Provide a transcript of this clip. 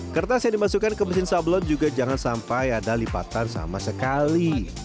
kertas yang dimasukkan ke mesin sablon juga jangan sampai ada lipatan sama sekali